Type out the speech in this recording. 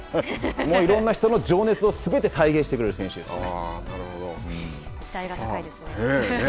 いろんな人の情熱をすべて体現してくれる選手ですね。